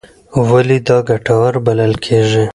ولې دا ګټور بلل کېږي؟